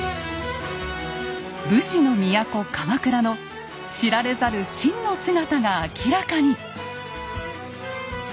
武士の都鎌倉の知られざる真の姿が明らかに！